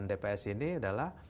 iya di audit